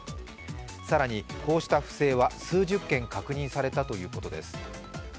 更にこうした不正は数十件確認されたということです。